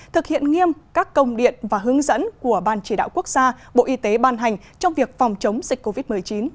thực hiện nghiêm các công điện và hướng dẫn của ban chỉ đạo quốc gia bộ y tế ban hành trong việc phòng chống dịch covid một mươi chín